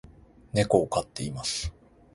猫を飼っています